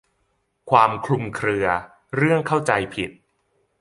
ความคลุมเครือเรื่องเข้าใจผิด